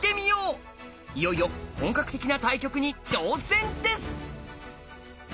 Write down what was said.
いよいよ本格的な対局に挑戦です！